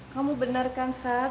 kamu bener kan saad